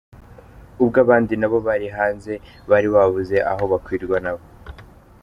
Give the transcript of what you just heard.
Ubwo abandi nabo bari hanze bari babuze aho bakwirwa nabo.